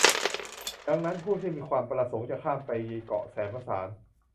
ดังนั้นผู้ที่มีความประสงค์จะข้ามไปเกาะแสมสาร